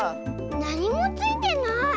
なにもついてない！